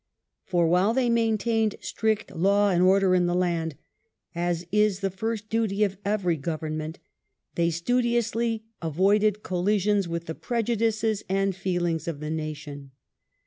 For, while they maintained strict law and order in the land, as is the first duty of every government, they studiously avoided collisions with the prejudices and feelings of the nation.